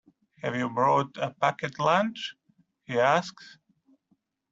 Have you brought a packed lunch? he asked